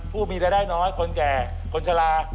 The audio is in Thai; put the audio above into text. ผู้มีใดน้อยคนแก่คนชะลา